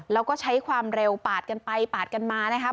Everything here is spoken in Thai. แล้วก็ใช้ความเร็วปาดกันไปปาดกันมานะครับ